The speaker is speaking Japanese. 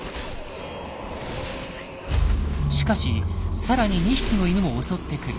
しかし更に２匹の犬も襲ってくる。